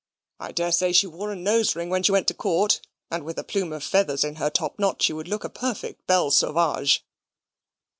I dare say she wore a nose ring when she went to court; and with a plume of feathers in her top knot she would look a perfect Belle Sauvage."